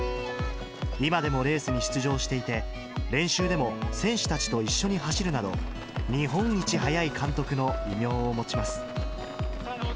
今でもレースに出場していて、練習でも選手たちと一緒に走るなど、日本一速い監督の異名を持ちます。